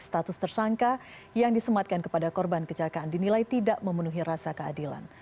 status tersangka yang disematkan kepada korban kecelakaan dinilai tidak memenuhi rasa keadilan